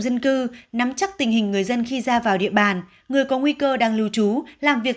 dân cư nắm chắc tình hình người dân khi ra vào địa bàn người có nguy cơ đang lưu trú làm việc